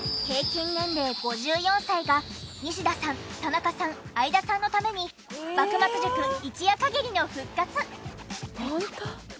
平均年齢５４歳が西田さん田中さん相田さんのために幕末塾一夜限りの復活！